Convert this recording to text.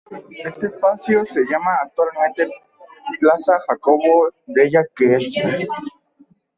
Este espacio se llama actualmente Piazza Jacopo della Quercia.